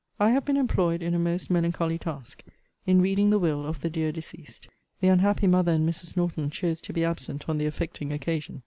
I have been employed in a most melancholy task: in reading the will of the dear deceased. The unhappy mother and Mrs. Norton chose to be absent on the affecting occasion.